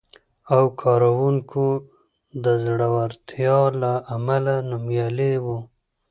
او کارونکو د زړورتیا له امله نومیالی و،